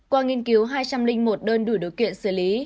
qua nghiên cứu hai trăm linh một đơn đủ điều kiện xử lý